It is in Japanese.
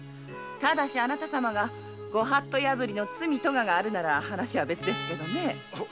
ただしご法度破りの罪科があるなら話は別ですけどね。